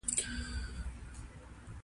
جواهرات د افغانانو د فرهنګي پیژندنې برخه ده.